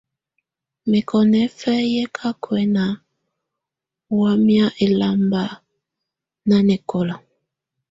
Mɛkɔnɛfɛ yɛ ka kuɛ̀na ɔ wamɛ̀á ɛlamba nanɛkɔla.